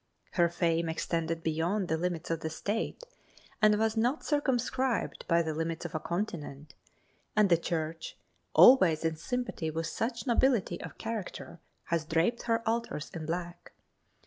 Her fame extended beyond the limits of the State and was not circumscribed by the limits of a continent, and the Church, always in sympathy with such nobility of character, has draped her altars in black.